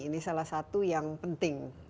ini salah satu yang penting